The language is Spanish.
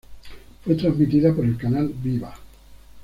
Fue transmitida por el canal Viva.